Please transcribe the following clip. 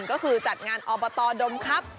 ก็คือจัดงานอบตดมครับ